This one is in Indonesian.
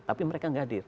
tapi mereka tidak hadir